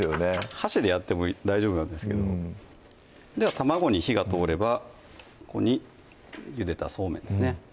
箸でやっても大丈夫なんですけどでは卵に火が通ればここにゆでたそうめんですね